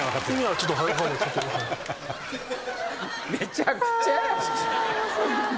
めちゃくちゃや。